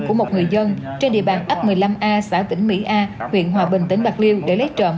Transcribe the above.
của một người dân trên địa bàn ấp một mươi năm a xã vĩnh mỹ a huyện hòa bình tỉnh bạc liêu để lấy trộm